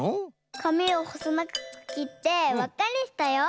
かみをほそながくきってわっかにしたよ。